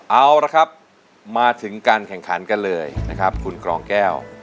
เอาละครับมาถึงการแข่งขันกันเลยนะครับคุณกรองแก้ว